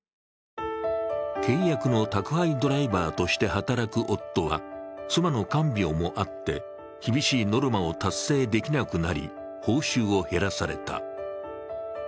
契約の宅配ドライバーとして働く夫は妻の看病もあって、厳しいノルマを達成できなくなり、報酬を減らされた。